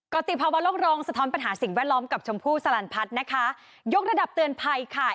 ติภาวะโลกรองสะท้อนปัญหาสิ่งแวดล้อมกับชมพู่สลันพัฒน์นะคะยกระดับเตือนภัยค่ะ